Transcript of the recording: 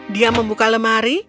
dia membuka lemari